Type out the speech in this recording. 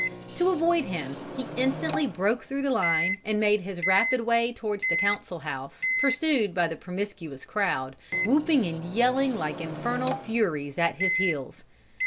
"To avoid him, he instantly broke through the line, and made his rapid way towards the council house, pursued by the promiscuous crowd, whooping and yelling like infernal furies at his heels.